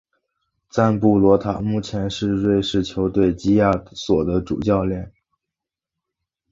赞布罗塔目前是瑞士球队基亚索主教练。